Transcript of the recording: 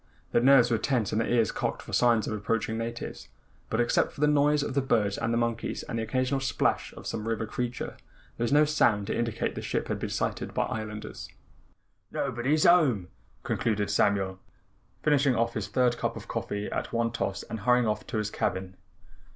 Their nerves were tense and their ears cocked for signs of approaching natives, but except for the noise of the birds and monkeys and the occasional splash of some river creature, there was no sound to indicate the ship had been sighted by the islanders. "Nobody's home," concluded Samuel, finishing off his third cup of coffee at one toss and hurrying off to his cabin.